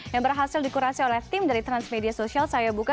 yang berhasil dikurasi oleh tim dari transmedia sosial saya buka